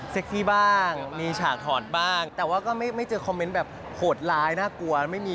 ซี่บ้างมีฉากถอดบ้างแต่ว่าก็ไม่เจอคอมเมนต์แบบโหดร้ายน่ากลัวไม่มี